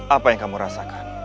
apa yang kamu rasakan